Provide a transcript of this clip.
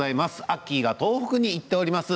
アッキーが東北に行ってます。